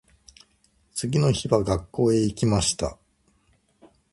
次の日は学校へ行きました。